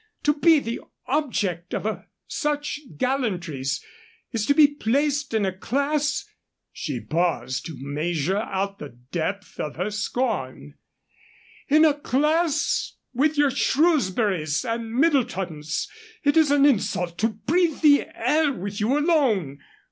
To be the object of such gallantries is to be placed in a class" she paused to measure out the depth of her scorn "in a class with your Shrewsburys and Middletons. It is an insult to breathe the air with you alone.